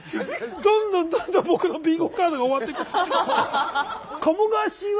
どんどんどんどん僕のビンゴカードが終わっていく。